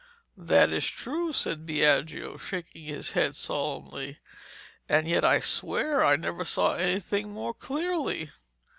'That is true,' said Biagio, shaking his head solemnly; 'and yet I swear I never saw anything more clearly.'